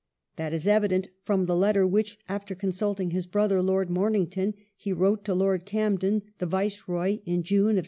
That is evident from the letter which, after consulting his brother Lord Momington, he wrote to Lord Camden, the Viceroy, in June 1795.